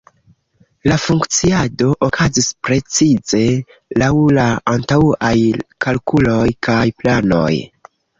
La funkciado okazis precize laŭ la antaŭaj kalkuloj kaj planoj.